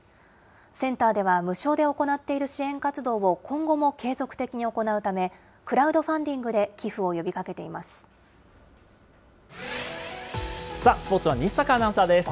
センターでは、無償で行っている支援活動を今後も継続的に行うため、クラウドファンディングで寄付を呼びかけています。